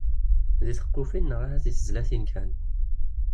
Deg txeqqufin neɣ ahat deg tezlatin kan.